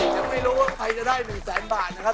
ยังไม่รู้ว่าใครจะได้๑แสนบาทนะครับ